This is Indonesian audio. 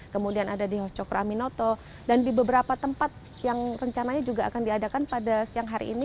kemudian ada di hos cokro aminoto dan di beberapa tempat yang rencananya juga akan diadakan pada siang hari ini